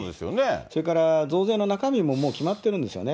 それから増税の中身ももう決まってるんですよね。